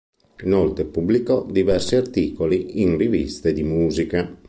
Inoltre pubblicò diversi articoli in riviste di musica.